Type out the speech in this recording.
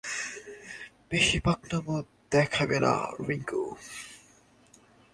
বেশি পাকনামো দেখাবে না, রিংকু!